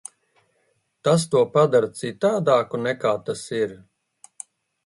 Tas to padara citādāku, nekā tas ir?